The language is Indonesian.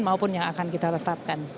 maupun yang akan kita tetapkan